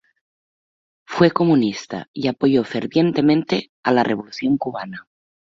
Fue comunista y apoyó fervientemente a la Revolución cubana.